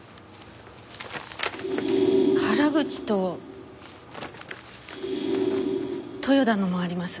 原口と豊田のもあります。